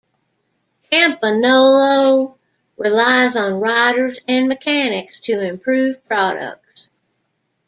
Campagnolo relies on riders and mechanics to improve products.